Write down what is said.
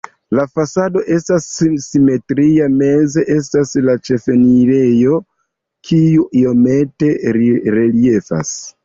La fasado estas simetria, meze estas la ĉefenirejo, kiu iomete reliefas.